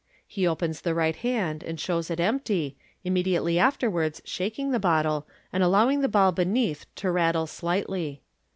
He opens the right hand, and shows it empty, imme diately afterwards shaking the bottle, and allowing the ball beneath to rattle slightly.